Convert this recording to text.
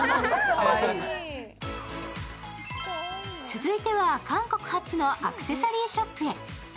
続いては韓国初のアクセサリーショップへ。